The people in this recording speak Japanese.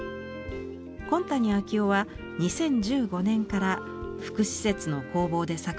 紺谷彰男は２０１５年から福祉施設の工房で作陶を始めました。